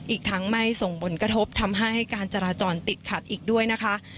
อีกทั้งไม่ส่งผลกระทบทำให้การจราจรติดขัดอีกด้วยนะคะ